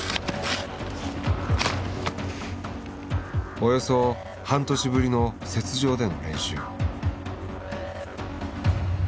およそ半年ぶりの雪上での練習。